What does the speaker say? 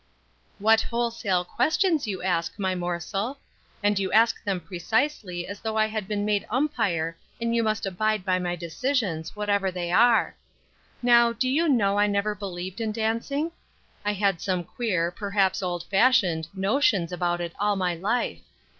"What wholesale questions you ask, my morsel! And you ask them precisely as though I had been made umpire and you must abide by my decisions, whatever they are. Now, do you know I never believed in dancing? I had some queer, perhaps old fashioned, notions about it all my life.